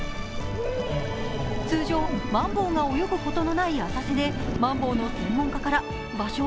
通常、マンボウが泳ぐことのない浅瀬でマンボウの専門家から場所？